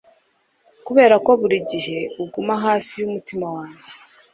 Kubera ko buri gihe uguma hafi y'umutima wanjye